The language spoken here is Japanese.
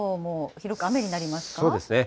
そうですね。